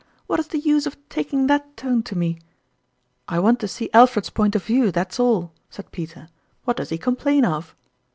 "What is the use of taking that tone to me ?"" I want to see Alfred's point of view, that's all," said Peter. "What does he complain of?"